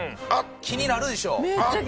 気になるでしょ？